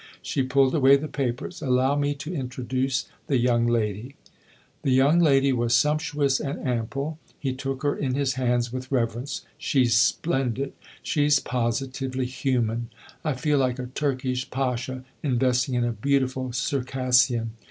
She pulled away the papers. " Allow me to introduce the young lady." THE OTHER HOUSE in The young lady was sumptuous and ample ; he took her in his hands with reverence. " She's splendid she's positively human ! I feel like a Turkish pasha investing in a beautiful Circassian.